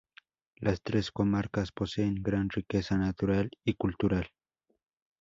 Las tres comarcas poseen gran riqueza natural y cultural.